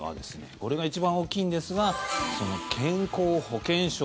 これが一番大きいんですが健康保険証。